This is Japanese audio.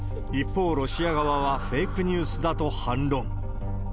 一方、ロシア側はフェイクニュースだと反論。